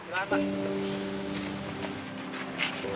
saya bicarakan sendiri